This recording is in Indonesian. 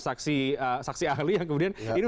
saksi ahli yang kemudian